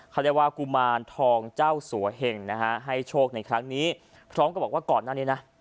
เขาเรียกว่ากุมารทองเจ้าสัวเหงนะฮะให้โชคในครั้งนี้พร้อมกับบอกว่าก่อนหน้านี้นะ